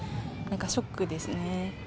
なんかショックですね。